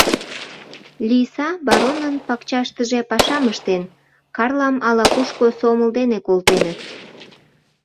Лийса баронын пакчаштыже пашам ыштен, Карлам ала-кушко сомыл дене колтеныт.